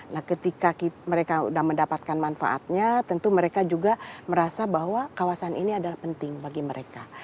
nah ketika mereka sudah mendapatkan manfaatnya tentu mereka juga merasa bahwa kawasan ini adalah penting bagi mereka